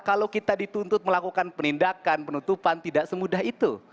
kalau kita dituntut melakukan penindakan penutupan tidak semudah itu